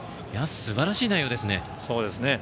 すばらしい内容ですね。